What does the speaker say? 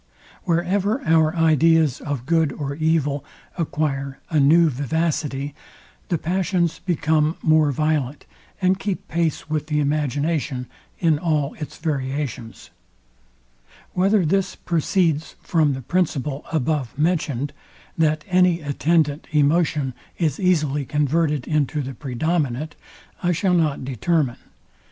Wherever our ideas of good or evil acquire a new vivacity, the passions become more violent; and keep pace with the imagination in all its variations. Whether this proceeds from the principle above mentioned, that any attendant emotion is easily converted into the predominant, I shall not determine.